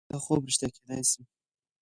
دا خوب رښتیا کیدای شي.